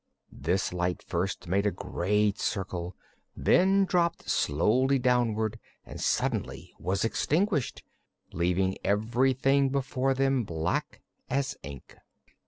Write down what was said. This light first made a great circle, then dropped slowly downward and suddenly was extinguished, leaving everything before them black as ink.